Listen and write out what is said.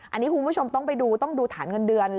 อันนี้คุณผู้ชมต้องไปดูต้องดูฐานเงินเดือน